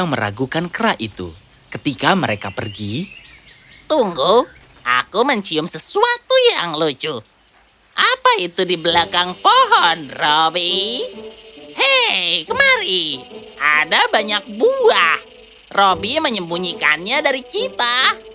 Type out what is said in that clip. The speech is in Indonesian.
hei kemari ada banyak buah robby menyembunyikannya dari kita